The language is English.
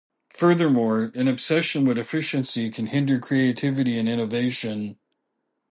Furthermore, an obsession with efficiency can hinder creativity and innovation.